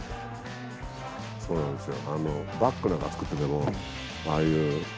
そうなんですよ。